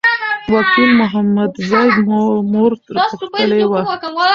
وکیل محمدزی مو مور پوښتلي وه.